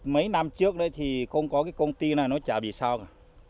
mấy năm trước thì không có công ty này nó chả bị sao cả